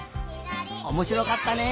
おもしろかったね！